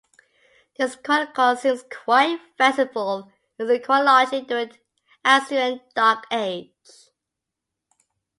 This chronicle seems quite fanciful in its chronology during the Assyrian dark-age.